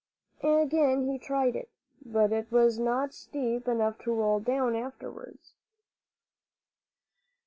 Again he tried it; but it was not steep enough to roll down afterwards.